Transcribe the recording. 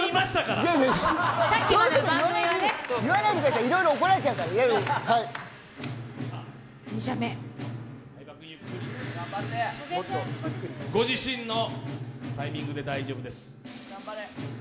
そういうこと言わないでください、いろいろ怒られちゃうからご自身のタイミングで大丈夫です。